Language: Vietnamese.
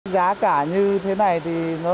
giá cả như thế này thì